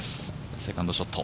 セカンドショット。